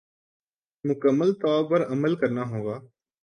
مکمل طور پر عمل کرنا ہوگا